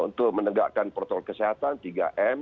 untuk menegakkan protokol kesehatan tiga m